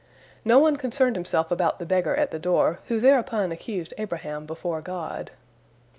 No one concerned himself about the beggar at the door, who thereupon accused Abraham before God.